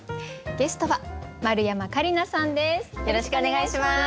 ゲストは丸山桂里奈さんです。